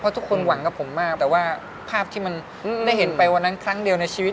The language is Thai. ทุกคนหวังกับผมมากแต่ว่าภาพที่มันได้เห็นไปวันนั้นครั้งเดียวในชีวิต